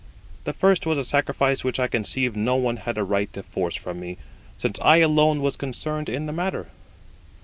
The first was a sacrifice which I conceive no one had a right to force from me, since I alone was concerned in the matter.